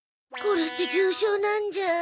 これって重症なんじゃ。